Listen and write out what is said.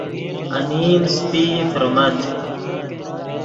انیم سپئی فرمت